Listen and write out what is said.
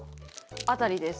辺りです。